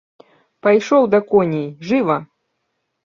Пайшоў да коней, жыва!